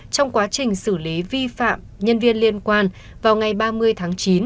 trong quá trình xử lý vi phạm nhân viên liên quan vào ngày ba mươi tháng chín